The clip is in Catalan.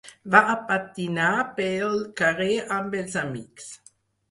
Va a patinar pel carrer amb els amics.